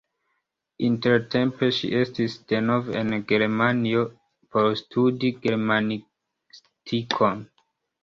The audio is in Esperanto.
Intertempe ŝi estis denove en Germanio por studi germanistikon.